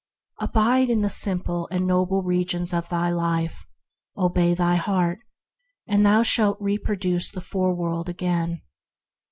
"Abide in the simple and noble regions of thy life, obey thy heart, and thou shalt reproduce the fore world again."